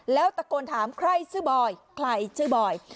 แล้วตะโกนถามใครชื่อบอยใครชื่อบอย